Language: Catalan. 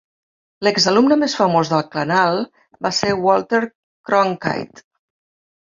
L'exalumne més famós del canal va ser Walter Cronkite.